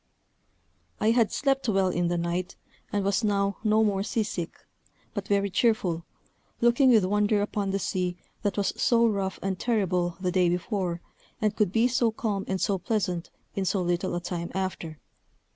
I had slept well in the night, and was now no more sea sick, but very cheerful, looking with wonder upon the sea that was so rough and terrible the day before, and could be so calm and so pleasant in so little a time after.